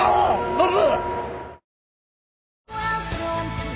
ノブ！！